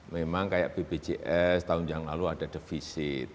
memang kayak bpjs tahun yang lalu ada defisit